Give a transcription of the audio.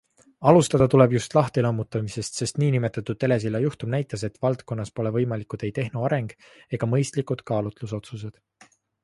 Alustada tuleb just lahtilammutamisest, sest nn telesilla juhtum näitas, et valdkonnas pole võimalikud ei tehnoareng ega mõistlikud kaalutlusotsused.